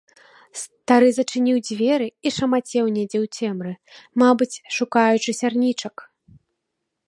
Стары зачыніў дзверы і шамацеў недзе ў цемры, мабыць, шукаючы сярнічак.